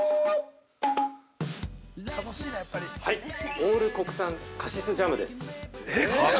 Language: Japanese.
◆ＡＬＬ国産カシスジャムです。